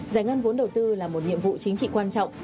giải ngân vốn đầu tư là một nhiệm vụ chính trị quan trọng